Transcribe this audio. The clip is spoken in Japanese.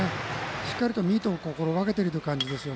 しっかりミートを心がけている感じです。